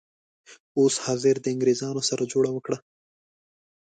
اوس حاضر د انګریزانو سره جوړه وکړه.